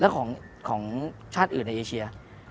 แล้วของชาติอื่นในเอเชีย